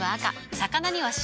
魚には白。